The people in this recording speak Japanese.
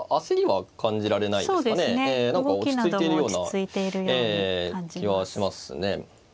何か落ち着いているような気はしますね。